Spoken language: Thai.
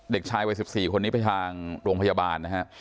เด็กชายวัย๑๔คนนี้ไปทางโรงพยาบาลนะฮะ